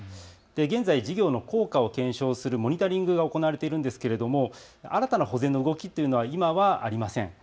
現在、事業の効果を検証するモニタリングが行われているんですけれども新たな保全の動きというのは今はありません。